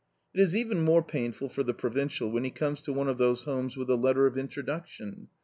It is even more painful for the provincial when he comes to one of those houses with a letter of introduction.